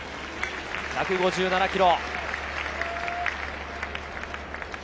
１５７キロ。